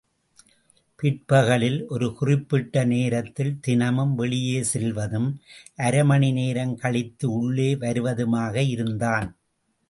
பிற்பகலில் ஒரு குறிப்பிட்ட நேரத்தில் தினமும் வெளியே செல்வதும், அரைமணி நேரம் கழித்து உள்ளே வருவதுமாக இருந்தான்.